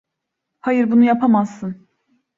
Hayır, bunu yapamazsın.